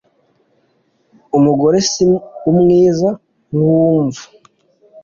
Umugore si umwiza nk’uwumva.